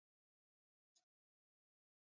Mungu eee, unaweza